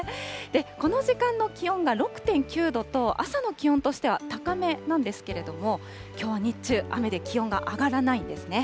この時間の気温が６．９度と、朝の気温としては高めなんですけれども、きょうは日中、雨で気温が上がらないんですね。